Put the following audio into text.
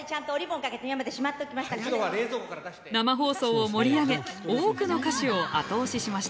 生放送を盛り上げ多くの歌手を後押ししました。